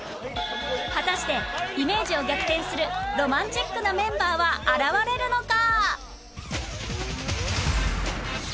果たしてイメージを逆転するロマンチックなメンバーは現れるのか？